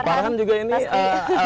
atlet terbaik juga dia